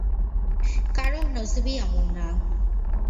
কারো নসিব-ই অমন না।